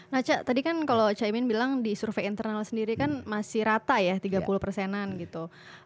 nah cak tadi kan kalau caimin bilang di survei internal sendiri kan masih rata ya tiga puluh persenan gitu